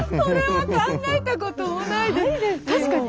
それは考えたこともないです！